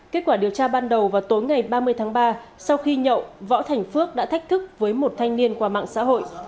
kết quả điều tra ban đầu vào tối ngày ba mươi tháng ba sau khi nhậu võ thành phước đã thách thức với một thanh niên qua mạng xã hội